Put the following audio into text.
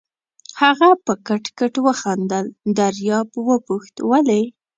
هغه په کټ کټ وخندل، دریاب وپوښت: ولې؟